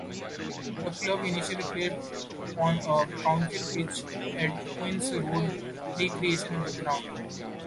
The club initially played on a council pitch at the Queen's Road recreation ground.